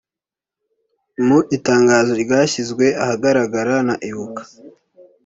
Mu itangazo ryashyizwe ahagaragara na Ibuka